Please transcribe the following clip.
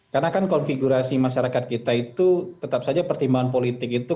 karena kan konfigurasi masyarakat kita itu tetap saja pertimbangan politik itu